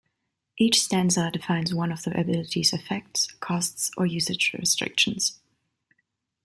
Each stanza defines one of the ability's effects, costs, or usage restrictions.